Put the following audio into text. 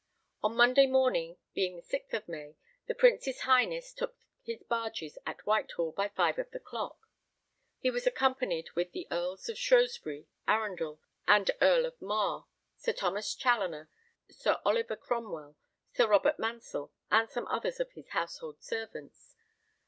On Monday morning, being the 6th of May, the Prince's Highness took his barges at Whitehall by 5 of the clock. He was accompanied with the Earls of Shrewsbury, Arundel, and Earl of Mar, Sir Thomas Chaloner, Sir Oliver Cromwell, Sir Robert Mansell, and some others of his household servants.